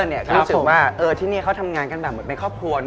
ก็รู้สึกว่าที่นี่เขาทำงานกันแบบเหมือนเป็นครอบครัว